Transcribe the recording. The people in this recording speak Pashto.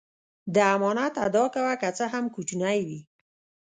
د امانت ادا کوه که څه هم کوچنی وي.